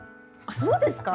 あっそうですか？